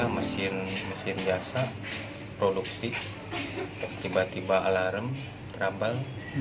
mesin biasa produk tiba tiba alarm terambal